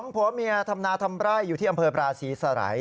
๒ผัวเมียธรรมนาธรรมไร้อยู่ที่อำเภอปราศีสระย